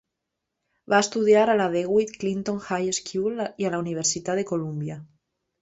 Va estudiar a la DeWitt Clinton High School i a la Universitat de Columbia.